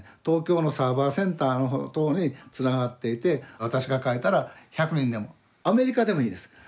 東京のサーバーセンターのところにつながっていて私が書いたら１００人でもアメリカでもいいです。